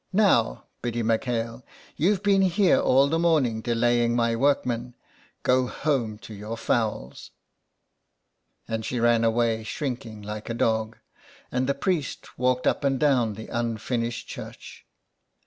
Now, Biddy IMcHale, you've been here all the morning delaying my workman. Go home to your fowls." And she ran away shrinking like a dog, and the priest walked up and down the unfinished church.